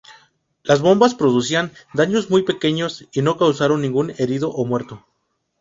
Las bombas producían daños muy pequeños y no causaron ningún herido o muerto.